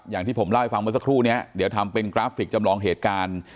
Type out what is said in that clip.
อย่างที่ผมเล่าให้ฟังเมื่อสักครู่นี้เดี๋ยวทำเป็นกราฟิกจำลองเหตุการณ์